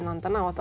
私